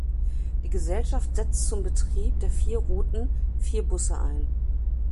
Die Gesellschaft setzt zum Betrieb der vier Routen vier Busse ein.